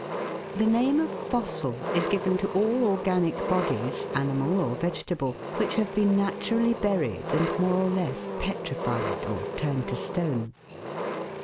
The name of "fossil" is given to all organic bodies, animal or vegetable, which have been naturally buried and more or less petrified or turned to stone.